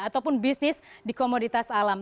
ataupun bisnis di komoditas alam